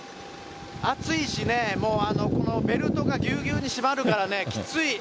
暑いしね、もうあの、このベルトがぎゅうぎゅうに締まるからね、きつい。